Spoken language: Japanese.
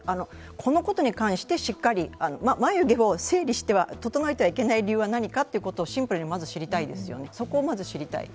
このことに関してしっかり眉毛を整えてはいけない理由は何かシンプルにまず知りたいですよね、そこをまず知りたい。